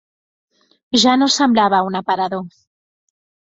Ja no semblava un aparador